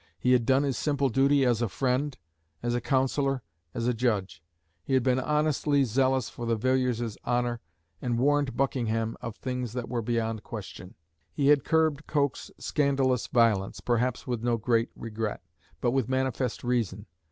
He had done his simple duty as a friend, as a councillor, as a judge. He had been honestly zealous for the Villiers's honour, and warned Buckingham of things that were beyond question. He had curbed Coke's scandalous violence, perhaps with no great regret, but with manifest reason.